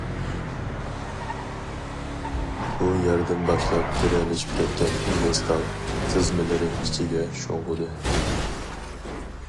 بۇ يەردىن باشلاپ گىرەلىشىپ كەتكەن ئېگىز تاغ تىزمىلىرى ئىچىگە شۇڭغۇدى.